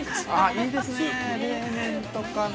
◆いいですね。